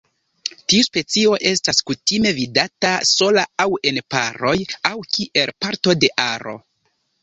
Tiu specio estas kutime vidata sola aŭ en paroj aŭ kiel parto de aro.